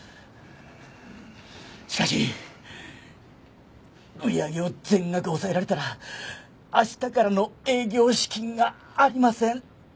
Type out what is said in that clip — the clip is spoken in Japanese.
しかし売り上げを全額押さえられたら明日からの営業資金がありません。